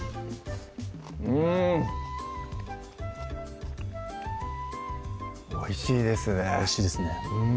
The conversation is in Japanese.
うんおいしいですねおいしいですね